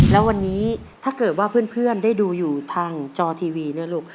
แล้ววันนี้ถ้าเกิดว่าเพื่อนได้ดูอยู่ทางจอทีวีนะลูก